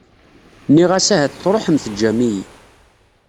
Nniɣ-as ahat truḥem teǧǧam-iyi.